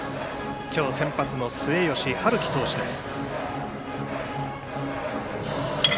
今日、先発の末吉陽輝投手です。